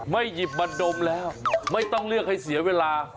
หยิบมาดมแล้วไม่ต้องเลือกให้เสียเวลา